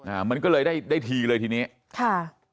อ่ามันก็เลยได้ได้ทีเลยทีนี้ค่ะ